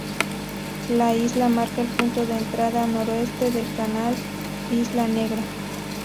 La isla marca el punto de entrada noroeste del canal Isla Negra.